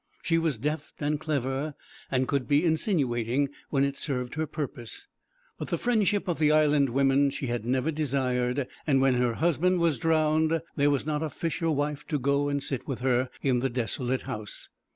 She was deft and clever, and could be insinuating when it served her purpose. But the friendship of the Island women she had never desired, and when her husband was drowned there was not a fisher wife to go and sit with her in the desolate house.